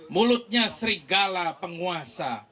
mulutnya serigala penguasa